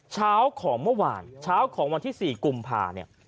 เช้าของเมื่อวานเช้าของวันที่๔กุมภาเนี่ย